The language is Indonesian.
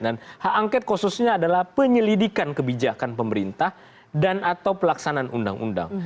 dan hak angket khususnya adalah penyelidikan kebijakan pemerintah dan atau pelaksanaan undang undang